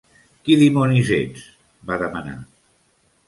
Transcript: "Qui dimonis ets?", va demanar.